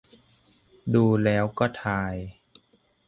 ดูแล้วก็ทาย